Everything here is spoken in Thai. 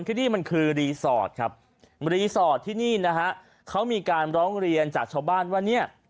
ที่นี่คือรีสอร์ทรีสอร์ทที่นี่มีการล้องเรียนจากชาวบ้านว่า